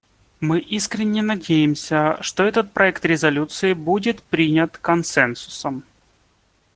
Мы искренне надеемся, что этот проект резолюции будет принят консенсусом.